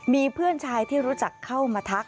มีเพื่อนชายที่รู้จักเข้ามาทัก